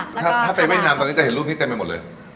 ถ้าไปเวียดนามตอนนี้จะเห็นรูปนี้เต็มไปหมดเลย